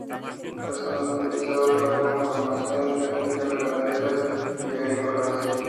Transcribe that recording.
La zona fue utilizada para conformación de fincas ganaderas y agrícolas.